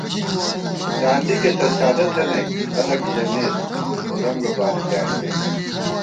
تاندِکےتہ سادہ تھنَئیک، خلَک ژَمېت، خو رنگہ بالی پیانِمېک